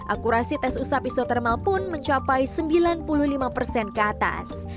akurasi tes usap isotermal pun mencapai sembilan puluh lima persen ke atas